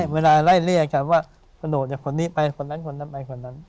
เวลาไล่เรียกกันว่ากระโดดจากคนนี้ไปคนนั้นคนนั้นไปคนนั้น